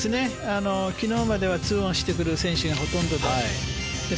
昨日までは２オンしてくる選手がほとんどで。